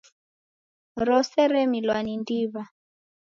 Rose remilwa ni ndiw'a.